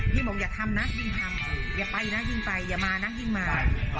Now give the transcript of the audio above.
บอกอย่าทำนะยิ่งทำอย่าไปนะยิ่งไปอย่ามานะวิ่งมา